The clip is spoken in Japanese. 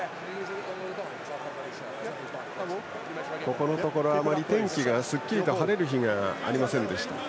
ここのところあまり天気がすっきり晴れる日がありませんでした。